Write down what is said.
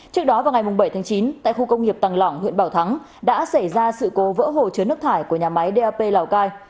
trước đó vào ngày bảy tháng chín tại khu công nghiệp tàng lỏng huyện bảo thắng đã xảy ra sự cố vỡ hồ chứa nước thải của nhà máy dap lào cai